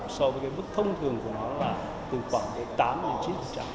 so với cái mức thông thường của nó là từ khoảng tám chín trăm